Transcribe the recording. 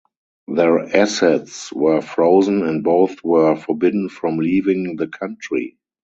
Their assets were frozen and both were forbidden from leaving the country.